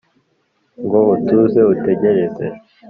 ngo utuze utegereze